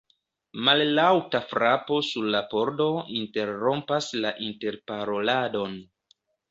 Mallaŭta frapo sur la pordo interrompas la interparoladon.